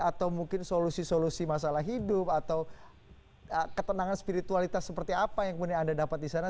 atau mungkin solusi solusi masalah hidup atau ketenangan spiritualitas seperti apa yang kemudian anda dapat di sana